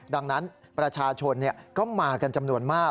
ดังนั้นประชาชนก็มากันจำนวนมาก